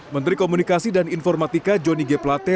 menteri komunikasi dan informatika johnny g plate